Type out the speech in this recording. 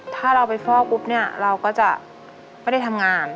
ถ้าเราไปฟอกปุ๊บเนี่ยเราก็จะไม่ได้ทำงาน